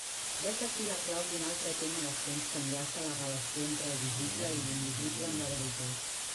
Vet aquí la clau d'un altre tema de fons que enllaça la relació entre el visible i l'invisible amb la veritat.